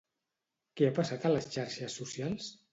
Què ha passat a les xarxes socials?